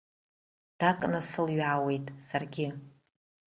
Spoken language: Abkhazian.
Дак насылҩаауеит саргьы.